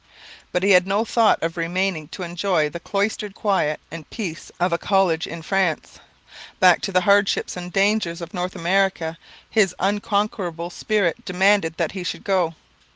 But he had no thought of remaining to enjoy the cloistered quiet and peace of a college in France; back to the hardships and dangers of North America his unconquerable spirit demanded that he should go.